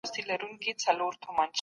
تاسو خلګو ته رڼا ښودلې ده.